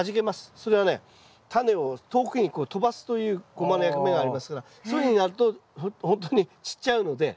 それはねタネを遠くに飛ばすというゴマの役目がありますからそういうふうになるとほんとに散っちゃうので。